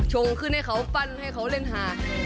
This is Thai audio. โชงขึ้นให้เขาฟันให้เขาเล่นทาง